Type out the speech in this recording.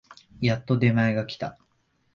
やっと出前が来た